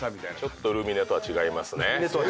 ちょっとルミネとは違いますね。